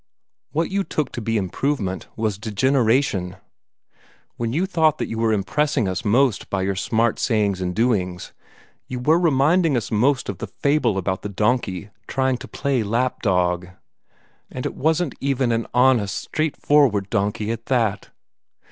What you took to be improvement was degeneration. When you thought that you were impressing us most by your smart sayings and doings, you were reminding us most of the fable about the donkey trying to play lap dog. And it wasn't even an honest, straightforward donkey at that!"